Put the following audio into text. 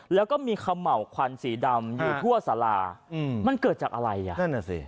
แล้วก็มีเขม่าวควันสีดำอยู่ทั่วสาราอืมมันเกิดจากอะไรอ่ะนั่นน่ะสิ